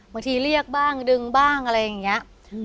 บางทีเรียกบ้างดึงบ้างอะไรอย่างนี้